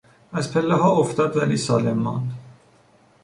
از پلهها افتاد ولی سالم ماند.